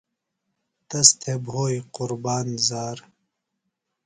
تس تھۡے بھوئی قُربان زار